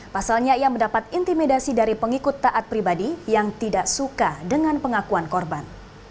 pasalnya ia mendapat intimidasi dari pengikut taat pribadi yang tidak suka dengan pengakuan korban